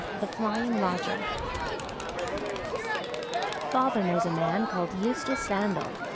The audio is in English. THE FLYING LODGER FATHER knows a man called Eustace Sandal.